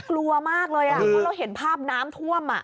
กลัวมากเลยเพราะเราเห็นภาพน้ำท่วม